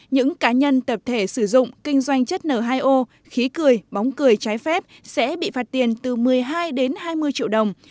những cá nhân tập thể sử dụng kinh doanh chất n hai o khí cười bóng cười trái phép sẽ bị phạt tiền từ một mươi hai đến hai mươi triệu đồng